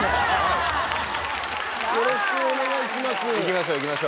よろしくお願いします。